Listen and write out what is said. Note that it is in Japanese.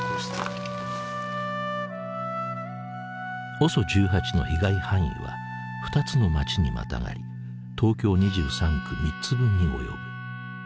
ＯＳＯ１８の被害範囲は２つの町にまたがり東京２３区３つ分に及ぶ。